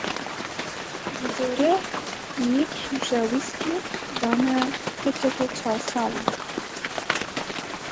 Bi zorê nîv şûşe wîskî dane keçika çar salî.